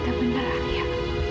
tidak benar arya